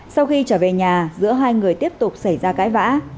sau khi trở về nhà giữa hai người tiếp tục xảy ra cãi vã